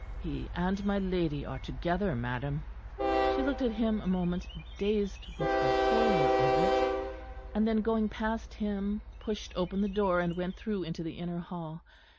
"He and my lady are together, madam." She looked at him a moment, dazed with the horror of it; and then going past him, pushed open the door and went through into the inner hall.